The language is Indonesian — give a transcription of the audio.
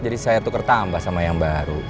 jadi saya tuker tambah sama yang baru